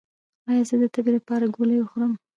ایا زه د تبې لپاره ګولۍ وخورم؟